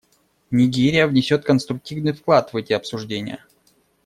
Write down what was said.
Нигерия внесет конструктивный вклад в эти обсуждения.